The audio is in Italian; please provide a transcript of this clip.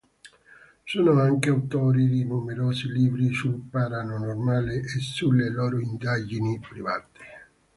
Sono anche autori di numerosi libri sul paranormale e sulle loro indagini private.